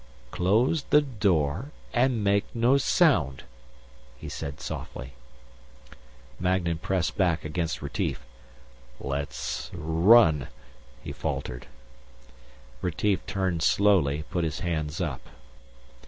"Close the door and make no sound," he said softly. Magnan pressed back against Retief. "Let's ... r run...." he faltered. Retief turned slowly, put his hands up.